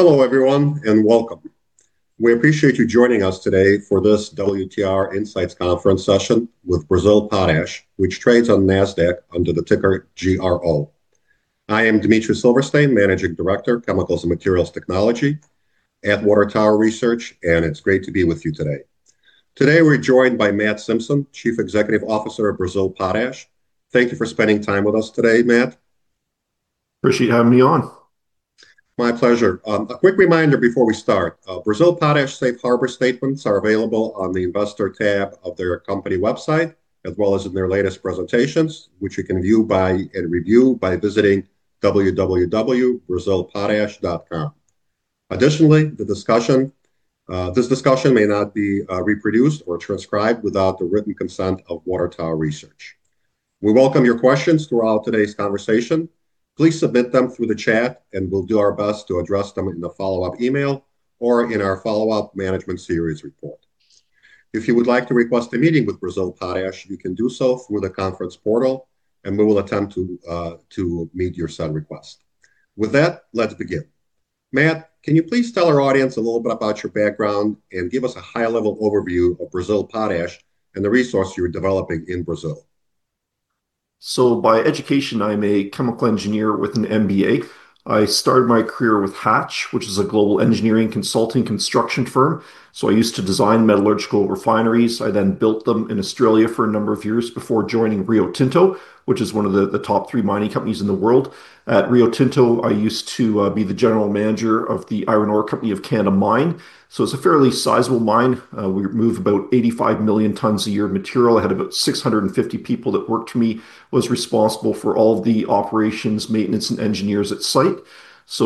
Hello everyone, and welcome. We appreciate you joining us today for this WTR Insights Conference session with Brazil Potash, which trades on Nasdaq under the ticker GRO. I am Dmitry Silversteyn, Managing Director, Chemicals and Materials Technology at Water Tower Research, and it's great to be with you today. Today we're joined by Matt Simpson, Chief Executive Officer of Brazil Potash. Thank you for spending time with us today, Matt. Appreciate you having me on. My pleasure. A quick reminder before we start, Brazil Potash Safe Harbor Statements are available on the Investor tab of their company website, as well as in their latest presentations, which you can view and review by visiting www.brazilpotash.com. Additionally, this discussion may not be reproduced or transcribed without the written consent of Water Tower Research. We welcome your questions throughout today's conversation. Please submit them through the chat, and we'll do our best to address them in the follow-up email or in our Follow-Up Management Series Report. If you would like to request a meeting with Brazil Potash, you can do so through the conference portal, and we will attempt to meet your said request. With that, let's begin. Matt, can you please tell our audience a little bit about your background and give us a high-level overview of Brazil Potash and the resource you're developing in Brazil? By education, I'm a chemical engineer with an MBA. I started my career with Hatch, which is a global engineering consulting construction firm. I used to design metallurgical refineries. I then built them in Australia for a number of years before joining Rio Tinto, which is one of the top three mining companies in the world. At Rio Tinto, I used to be the General Manager of the Iron Ore Company of Canada mine. It's a fairly sizable mine. We moved about 85 million tons a year of material. I had about 650 people that worked for me, was responsible for all the operations, maintenance, and engineers at site.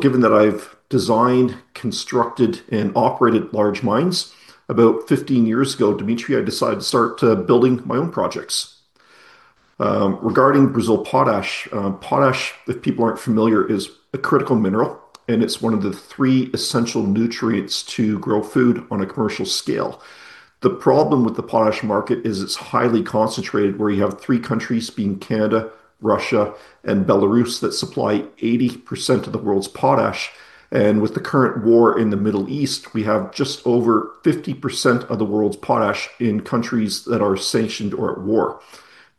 Given that I've designed, constructed, and operated large mines, about 15 years ago, Dmitry, I decided to start building my own projects. Regarding Brazil Potash, potash, if people aren't familiar, is a critical mineral, and it's one of the three essential nutrients to grow food on a commercial scale. The problem with the potash market is it's highly concentrated, where you have three countries, being Canada, Russia, and Belarus, that supply 80% of the world's potash. With the current war in the Middle East, we have just over 50% of the world's potash in countries that are sanctioned or at war.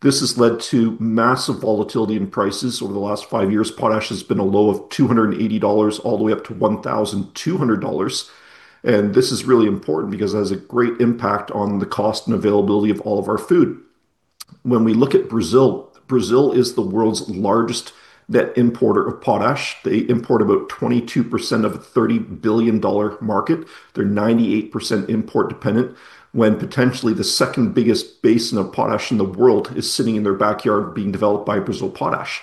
This has led to massive volatility in prices. Over the last five years, potash has been a low of $280 all the way up to $1,200. This is really important because it has a great impact on the cost and availability of all of our food. When we look at Brazil is the world's largest net importer of potash. They import about 22% of a $30 billion market. They're 98% import dependent, when potentially the second biggest basin of potash in the world is sitting in their backyard being developed by Brazil Potash.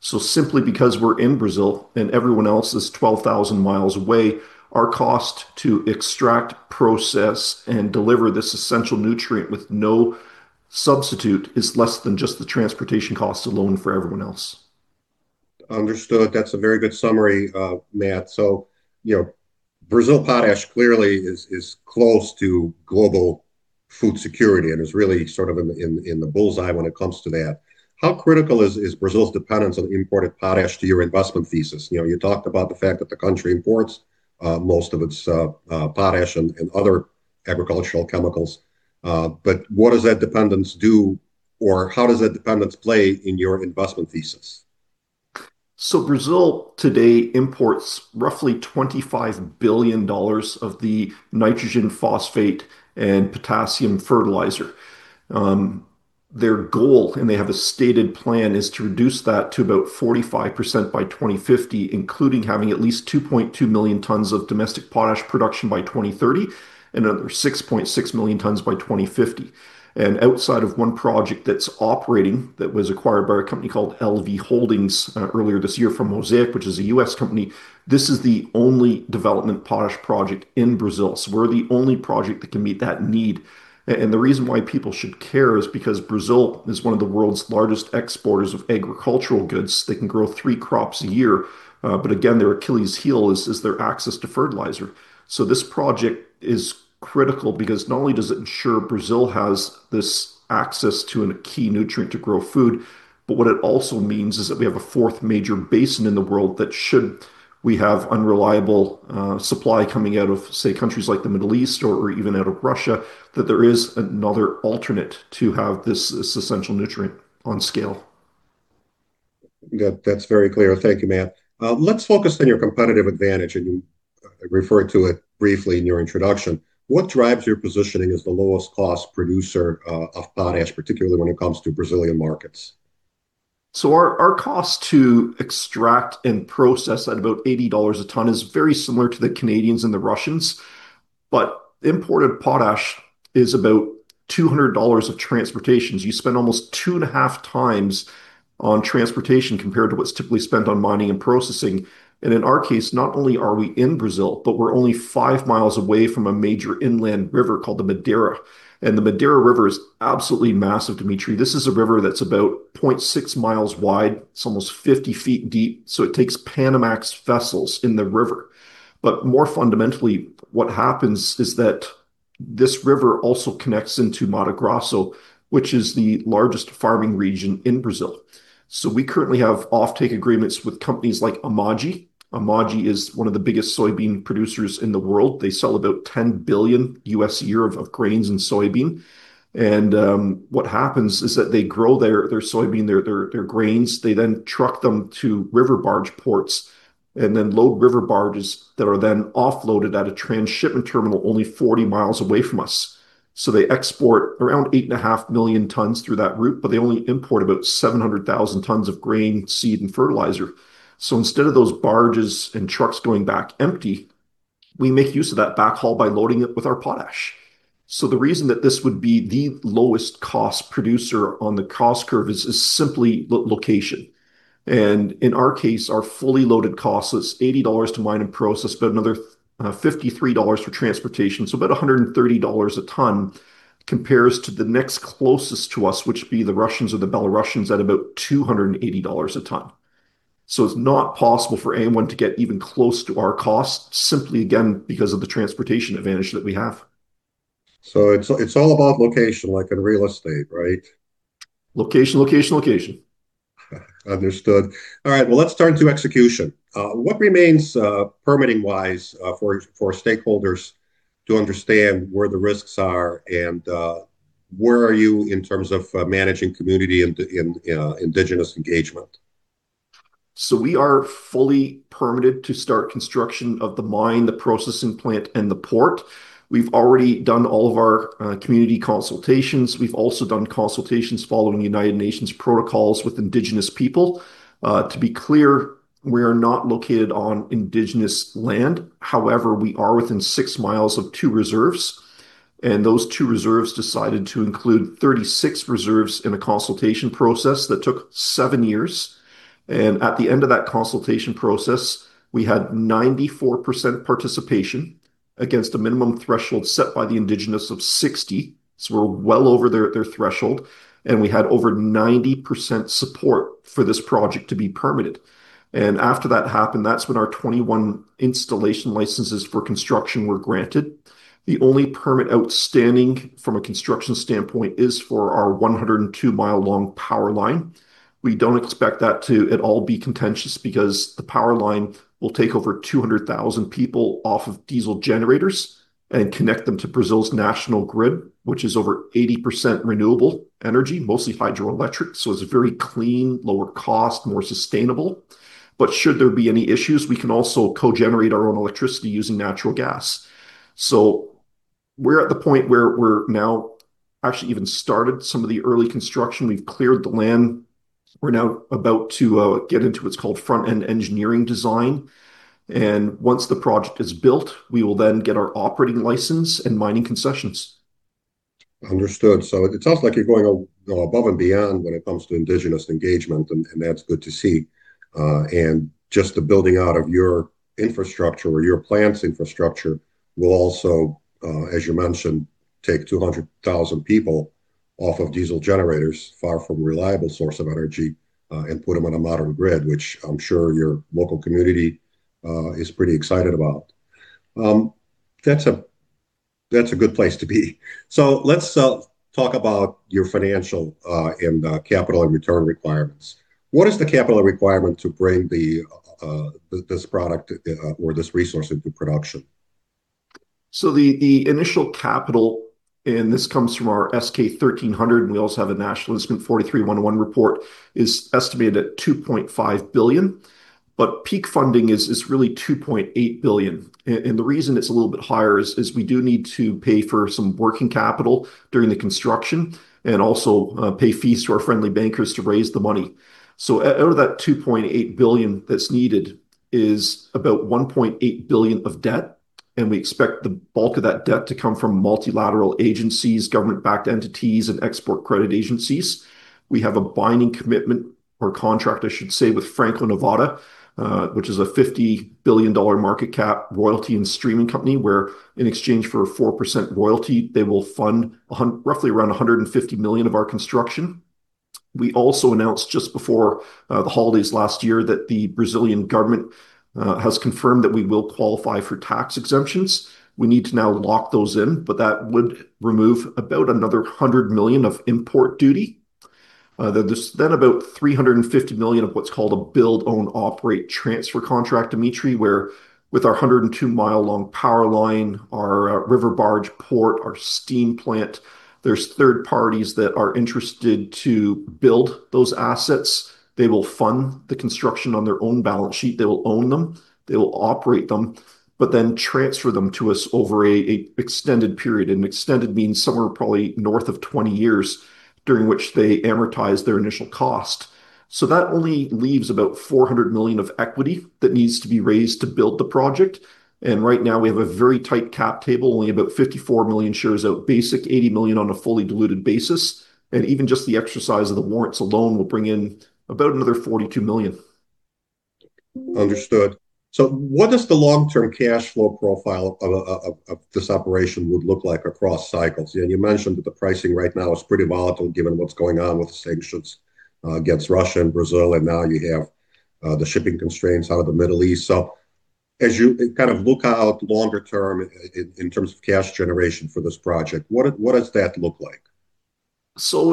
Simply because we're in Brazil and everyone else is 12,000 mi away, our cost to extract, process, and deliver this essential nutrient with no substitute is less than just the transportation cost alone for everyone else. Understood. That's a very good summary, Matt. Brazil Potash clearly is close to global food security and is really sort of in the bullseye when it comes to that. How critical is Brazil's dependence on imported potash to your investment thesis? You talked about the fact that the country imports most of its potash and other agricultural chemicals, but what does that dependence do, or how does that dependence play in your investment thesis? Brazil today imports roughly $25 billion of the nitrogen, phosphate, and potassium fertilizer. Their goal, and they have a stated plan, is to reduce that to about 45% by 2050, including having at least 2.2 million tons of domestic potash production by 2030, another 6.6 million tons by 2050. Outside of one project that's operating that was acquired by a company called VL Holding earlier this year from Mosaic, which is a U.S. company, this is the only development potash project in Brazil. We're the only project that can meet that need. The reason why people should care is because Brazil is one of the world's largest exporters of agricultural goods. They can grow three crops a year. Again, their Achilles heel is their access to fertilizer. This project is critical because not only does it ensure Brazil has this access to a key nutrient to grow food, but what it also means is that we have a fourth major basin in the world that, should we have unreliable supply coming out of, say, countries like the Middle East or even out of Russia, that there is another alternate to have this essential nutrient on scale. That's very clear. Thank you, Matt. Let's focus on your competitive advantage, and you referred to it briefly in your introduction. What drives your positioning as the lowest cost producer of potash, particularly when it comes to Brazilian markets? Our cost to extract and process at about $80 a ton is very similar to the Canadians and the Russians. Imported potash is about $200 of transportation. You spend almost 2.5 times on transportation compared to what's typically spent on mining and processing. In our case, not only are we in Brazil, but we're only 5 mi away from a major inland river called the Madeira. The Madeira River is absolutely massive, Dmitry. This is a river that's about 0.6 mi wide. It's almost 50 ft deep. It takes Panamax vessels in the river. More fundamentally, what happens is that this river also connects into Mato Grosso, which is the largest farming region in Brazil. We currently have offtake agreements with companies like AMAGGI. AMAGGI is one of the biggest soybean producers in the world. They sell about $10 billion a year of grains and soybean. What happens is that they grow their soybean, their grains, they then truck them to river barge ports, and then load river barges that are then offloaded at a transshipment terminal only 40 mi away from us. They export around 8.5 million tons through that route, but they only import about 700,000 tons of grain, seed, and fertilizer. Instead of those barges and trucks going back empty, we make use of that backhaul by loading it with our potash. The reason that this would be the lowest-cost producer on the cost curve is simply location. In our case, our fully loaded cost is $80 to mine and process, but another $53 for transportation, so about $130 a ton compares to the next closest to us, which would be the Russians or the Belarusians at about $280 a ton. It's not possible for anyone to get even close to our cost simply, again, because of the transportation advantage that we have. It's all about location, like in real estate, right? Location, location, location. Understood. All right. Well, let's turn to execution. What remains permitting-wise for stakeholders to understand where the risks are, and where are you in terms of managing community and Indigenous engagement? We are fully permitted to start construction of the mine, the processing plant, and the port. We've already done all of our community consultations. We've also done consultations following United Nations protocols with indigenous people. To be clear, we are not located on indigenous land. However, we are within 6 mi of two reserves, and those two reserves decided to include 36 reserves in a consultation process that took seven years. At the end of that consultation process, we had 94% participation against a minimum threshold set by the indigenous of 60%. We're well over their threshold, and we had over 90% support for this project to be permitted. After that happened, that's when our 21 installation licenses for construction were granted. The only permit outstanding from a construction standpoint is for our 102-mi-long power line. We don't expect that to at all be contentious because the power line will take over 200,000 people off of diesel generators and connect them to Brazil's national grid, which is over 80% renewable energy, mostly hydroelectric. It's very clean, lower cost, more sustainable. Should there be any issues, we can also co-generate our own electricity using natural gas. We're at the point where we're now actually even started some of the early construction. We've cleared the land. We're now about to get into what's called front-end engineering design, and once the project is built, we will then get our operating license and mining concessions. Understood. It sounds like you're going above and beyond when it comes to Indigenous engagement, and that's good to see. Just the building out of your infrastructure or your plant's infrastructure will also, as you mentioned, take 200,000 people off of diesel generators, far from a reliable source of energy, and put them on a modern grid, which I'm sure your local community is pretty excited about. That's a good place to be. Let's talk about your financial and capital and return requirements. What is the capital requirement to bring this product or this resource into production? The initial capital, and this comes from our S-K 1300, and we also have a National Instrument 43-101 report, is estimated at $2.5 billion, but peak funding is really $2.8 billion. The reason it's a little bit higher is we do need to pay for some working capital during the construction and also pay fees to our friendly bankers to raise the money. Out of that $2.8 billion that's needed is about $1.8 billion of debt, and we expect the bulk of that debt to come from multilateral agencies, government-backed entities, and export credit agencies. We have a binding commitment or contract, I should say, with Franco-Nevada, which is a $50 billion market cap royalty and streaming company, where in exchange for a 4% royalty, they will fund roughly around $150 million of our construction. We also announced just before the holidays last year that the Brazilian government has confirmed that we will qualify for tax exemptions. We need to now lock those in, but that would remove about another $100 million of import duty. There's then about $350 million of what's called a build, own, operate, transfer contract, Dmitry, where with our 102-mi-long power line, our river barge port, our steam plant, there's third parties that are interested to build those assets. They will fund the construction on their own balance sheet. They will own them, they will operate them, but then transfer them to us over an extended period, and extended means somewhere probably north of 20 years, during which they amortize their initial cost. That only leaves about $400 million of equity that needs to be raised to build the project. Right now, we have a very tight cap table, only about 54 million shares out basic, 80 million on a fully diluted basis. Even just the exercise of the warrants alone will bring in about another $42 million. Understood. What does the long-term cash flow profile of this operation would look like across cycles? You mentioned that the pricing right now is pretty volatile given what's going on with sanctions against Russia and Brazil, and now you have the shipping constraints out of the Middle East. As you kind of look out longer term in terms of cash generation for this project, what does that look like?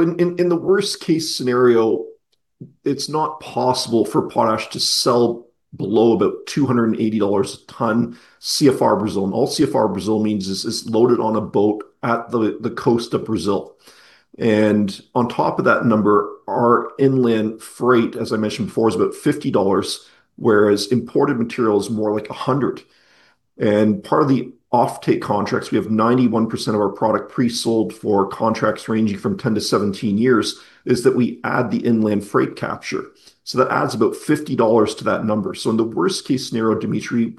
In the worst case scenario, it's not possible for potash to sell below about $280 a ton CFR Brazil, and all CFR Brazil means is it's loaded on a boat at the coast of Brazil. On top of that number, our inland freight, as I mentioned before, is about $50, whereas imported material is more like $100. Part of the offtake contracts, we have 91% of our product pre-sold for contracts ranging from 10 years-17 years, is that we add the inland freight capture. That adds about $50 to that number. In the worst case scenario, Dmitry,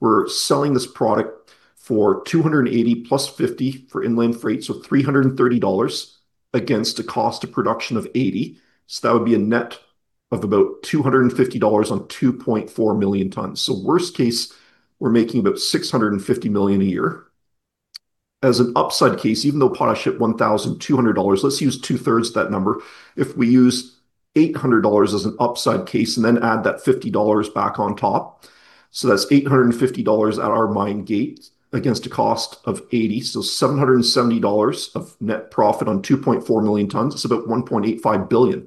we're selling this product for $280 plus $50 for inland freight, so $330 against a cost of production of $80. That would be a net of about $250 on 2.4 million tons. Worst case, we're making about $650 million a year. As an upside case, even though potash hit $1,200, let's use 2/3 of that number. If we use $800 as an upside case and then add that $50 back on top, that's $850 at our mine gate against a cost of $80, $770 of net profit on 2.4 million tons, it's about $1.85 billion.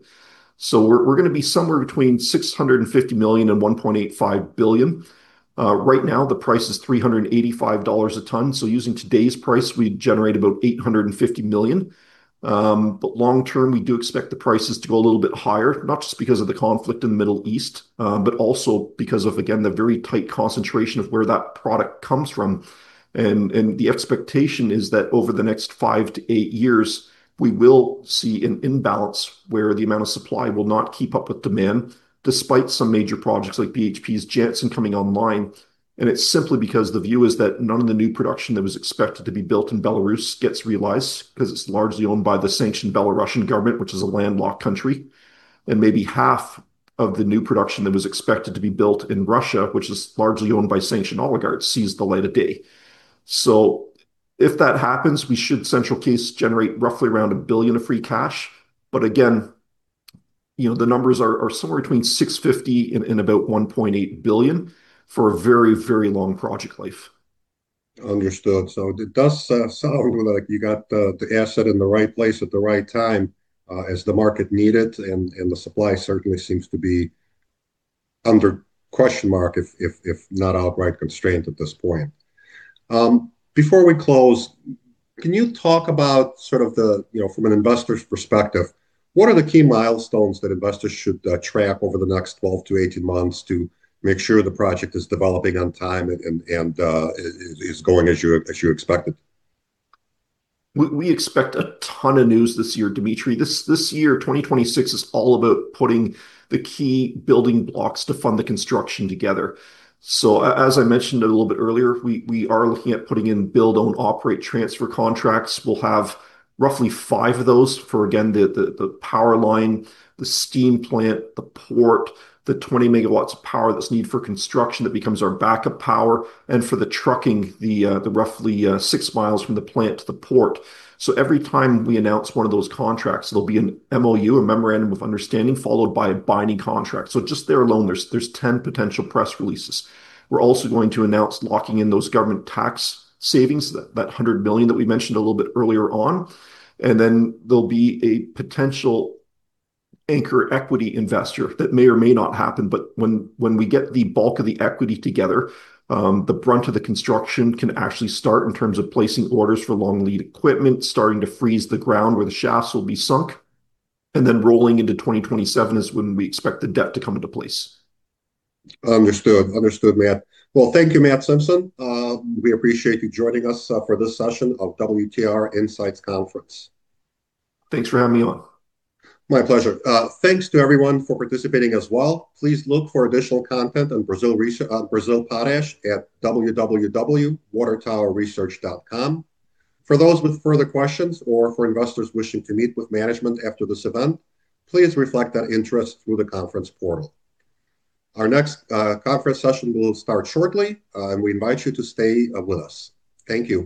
We're going to be somewhere between $650 million and $1.85 billion. Right now, the price is $385 a ton, so using today's price, we'd generate about $850 million. Long term, we do expect the prices to go a little bit higher, not just because of the conflict in the Middle East, but also because of, again, the very tight concentration of where that product comes from. The expectation is that over the next five to eight years, we will see an imbalance where the amount of supply will not keep up with demand, despite some major projects like BHP's Jansen coming online, and it's simply because the view is that none of the new production that was expected to be built in Belarus gets realized because it's largely owned by the sanctioned Belarusian government, which is a landlocked country. Maybe half of the new production that was expected to be built in Russia, which is largely owned by sanctioned oligarchs, sees the light of day. If that happens, we should central case generate roughly around $1 billion of free cash. Again, the numbers are somewhere between $650 million and about $1.8 billion for a very, very long project life. Understood. It does sound like you got the asset in the right place at the right time as the market needed, and the supply certainly seems to be under question mark, if not outright constraint at this point. Before we close, can you talk about from an investor's perspective, what are the key milestones that investors should track over the next 12 months-18 months to make sure the project is developing on time and is going as you expected? We expect a ton of news this year, Dmitry. This year, 2026, is all about putting the key building blocks to fund the construction together. As I mentioned a little bit earlier, we are looking at putting in build, own, operate, transfer contracts. We'll have roughly five of those for, again, the power line, the steam plant, the port, the 20 MW of power that's needed for construction that becomes our backup power, and for the trucking, the roughly 6 mi from the plant to the port. Every time we announce one of those contracts, there'll be an MOU, a memorandum of understanding, followed by a binding contract. Just there alone, there's 10 potential press releases. We're also going to announce locking in those government tax savings, that $100 million that we mentioned a little bit earlier on. There'll be a potential anchor equity investor that may or may not happen. When we get the bulk of the equity together, the brunt of the construction can actually start in terms of placing orders for long lead equipment, starting to freeze the ground where the shafts will be sunk, and then rolling into 2027 is when we expect the debt to come into place. Understood, Matt. Well, thank you, Matt Simpson. We appreciate you joining us for this session of WTR Insights Conference. Thanks for having me on. My pleasure. Thanks to everyone for participating as well. Please look for additional content on Brazil Potash at watertowerresearch.com. For those with further questions or for investors wishing to meet with management after this event, please reflect that interest through the conference portal. Our next conference session will start shortly, and we invite you to stay with us. Thank you.